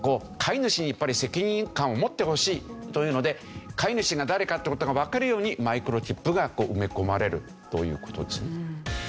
飼い主にやっぱり責任感を持ってほしいというので飼い主が誰かって事がわかるようにマイクロチップが埋め込まれるという事ですね。